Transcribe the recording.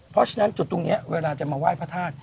เพราะฉะนั้นจุดตรงนี้เวลาจะมาไหว้พระธาตุ